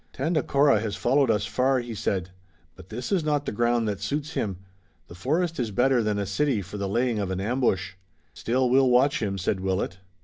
"Tandakora has followed us far," he said, "but this is not the ground that suits him. The forest is better than a city for the laying of an ambush." "Still, we'll watch him," said Willet.